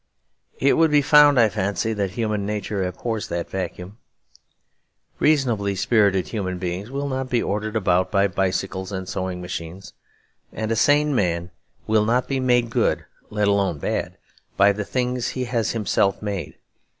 It would be found, I fancy, that human nature abhors that vacuum. Reasonably spirited human beings will not be ordered about by bicycles and sewing machines; and a sane man will not be made good, let alone bad, by the things he has himself made.